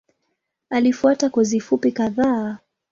Alifuata kozi fupi kadhaa.